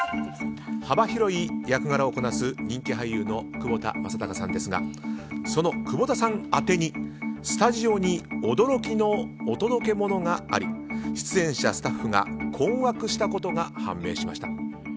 幅広い役柄をこなす人気俳優の窪田正孝さんですがその窪田さん宛てに、スタジオに驚きのお届け物があり出演者、スタッフが困惑したことが判明しました。